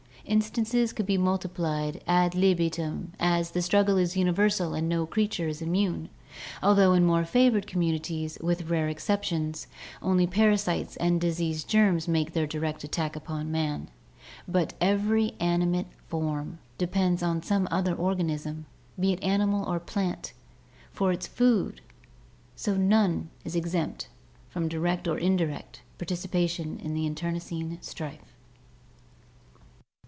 Instances could be multiplied ad libitum, as the struggle is uni versal and no creature is immune, although in more favored com munities, with rare exceptions, only parasites and disease germs make their direct attack upon man, but every animate form depends upon some other organism, be it animal or plant, for its food, so none is exempt from direct or indirect participation in the interne cine strife.